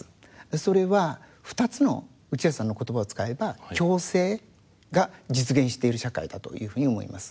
それは２つの内橋さんの言葉を使えば共生が実現している社会だというふうに思います。